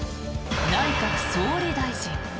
内閣総理大臣。